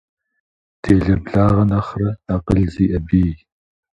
Делэ благъэ нэхърэ, акъыл зиӀэ бий.